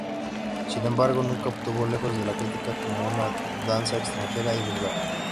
Sin embargo, nunca estuvo lejos de la crítica como una danza extranjera y vulgar.